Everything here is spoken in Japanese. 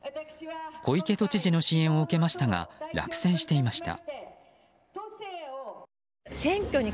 小池都知事の支援を受けましたが落選していました。